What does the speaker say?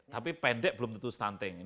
tapi pendek belum tentu stunting